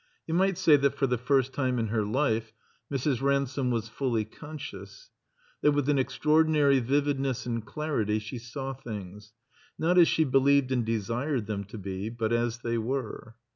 You might say that for the first time in her life Mrs. Ransome was fully conscious; that, with an extraordinary vividness and clarity she saw things, not as she believed and de sired them to be, but as they were.